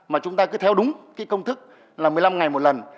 mà chúng ta cứ theo đúng cái công thức là một mươi năm ngày một lần